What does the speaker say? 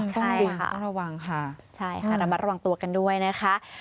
ต้องระวังค่ะใช่ค่ะระมัดระวังตัวกันด้วยนะคะ